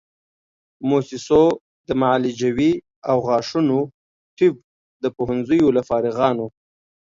موسسو د معالجوي او غاښونو طب د پوهنځیو له فارغانو